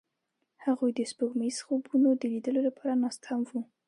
هغوی د سپوږمیز خوبونو د لیدلو لپاره ناست هم وو.